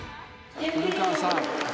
古川さん。